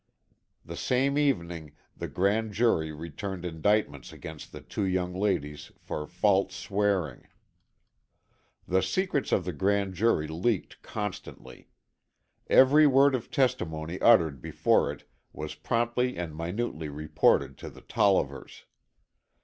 The same evening the grand jury returned indictments against the two young ladies for "false swearing." The secrets of the grand jury leaked constantly. Every word of testimony uttered before it was promptly and minutely reported to the Tollivers.